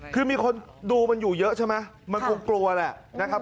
คือมีคนดูมันอยู่เยอะใช่ไหมมันคงกลัวแหละนะครับ